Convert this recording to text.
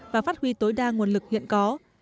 và phát huy tối đa nguồn lực hiện có